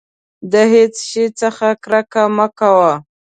د هېڅ شي څخه کرکه مه کوه.